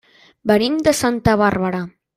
Venim de Santa Bàrbara.